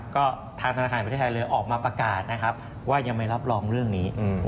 ก็ทางธนาคารประเทศไทยเลยออกมาประกาศนะครับว่ายังไม่รับรองเรื่องนี้